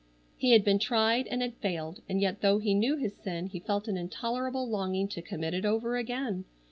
He had been tried and had failed, and yet though he knew his sin he felt an intolerable longing to commit it over again.